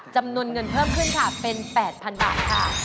จำนวนเงินเพิ่มขึ้นค่ะเป็น๘๐๐๐บาทค่ะ